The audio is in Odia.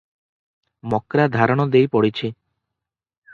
ମକ୍ରା ଧାରଣା ଦେଇ ପଡ଼ିଛି ।